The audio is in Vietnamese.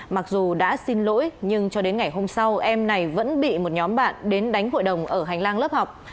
mặc dù đã xin lỗi nhưng cho đến ngày hôm sau em này vẫn bị một nhóm bạn đến đánh hội đồng ở hành lang lớp học